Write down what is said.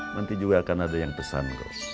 nanti juga akan ada yang pesango